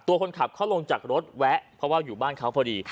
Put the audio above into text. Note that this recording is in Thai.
ตัวคนขับเขาลงจากรถแวะเพราะว่าอยู่บ้านเขาพอดี